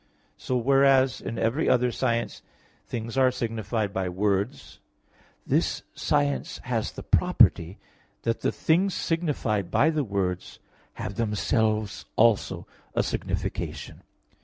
So, whereas in every other science things are signified by words, this science has the property, that the things signified by the words have themselves also a signification.